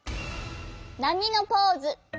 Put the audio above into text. なみのポーズ。